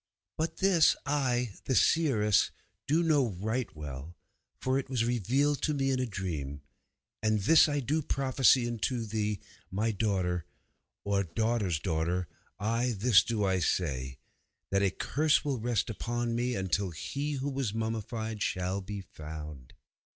But this I, the seeress, do know right well, for it was revealed to me in a dream. And this I do prophesy unto thee, my daughter, or daughter's daughter, ay, this do I say, that a curse will rest upon me until He who was mummied shall be found.